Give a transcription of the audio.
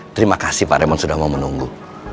terima kasih pak remon sudah mau menunggu